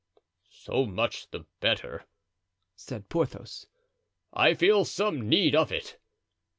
"So much the better," said Porthos; "I feel some need of it."